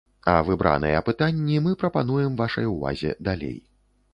А выбраныя пытанні мы прапануем вашай увазе далей.